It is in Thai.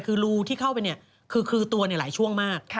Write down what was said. คือรูที่เข้าไปเนี่ยคือตัวหลายช่วงมาก